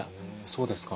そうですか。